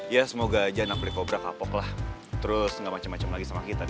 ya semoga aja naklih kobra kapok lah terus gak macem macem lagi sama kita di